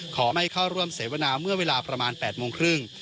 ไม่เข้าร่วมเสวนาเมื่อเวลาประมาณ๘โมงครึ่ง